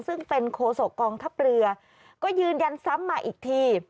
ซึ่งเป็นโคศกองทัพเรือก็ยืนยันซ้ำมาอีกที